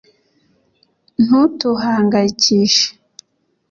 ntutuhangayikishe